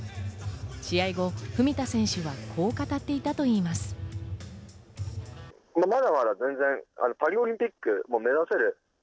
試合後、文田選手はこう語っていたといいます。